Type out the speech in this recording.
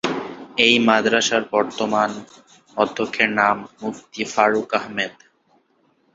এই মাদ্রাসার বর্তমান অধ্যক্ষের নাম মুফতি ফারুক আহমেদ।